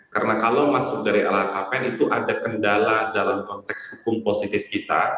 karena kalau masuk dari lhkpn itu ada kendala dalam konteks hukum positif kita